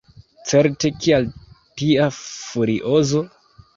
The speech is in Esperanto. Certe; kial tia furiozo?